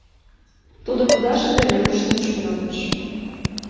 Тудо кудаше да Верушлан шуялтыш.